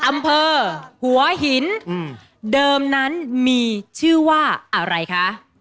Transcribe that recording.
อำเภอหัวหินเดิมนั้นมีชื่อว่าอะไรคะ